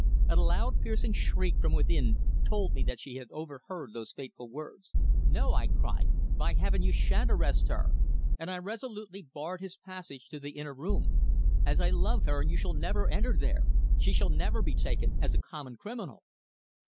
A loud piercing shriek from within told me that she had overheard those fateful words. "No," I cried. "By Heaven! you shan't arrest her!" and I resolutely barred his passage to the inner room. "As I love her you shall never enter there! She shall never be taken as a common criminal!"